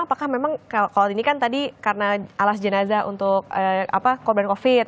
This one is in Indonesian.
apakah memang kalau ini kan tadi karena alas jenazah untuk korban covid